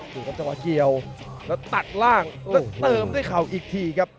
ดูครับจังหวะเกี่ยวแล้วตัดล่างแล้วเติมด้วยเข่าอีกทีครับ